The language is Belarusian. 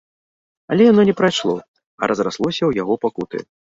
Але яно не прайшло, а разраслося ў яго пакуты.